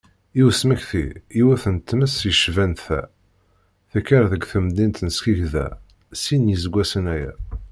I usmekti, yiwet n tmes yecban ta, tekker deg temdint n Skikda sin n yiseggasen aya.